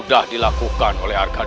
dan ini adalah kebenaranmu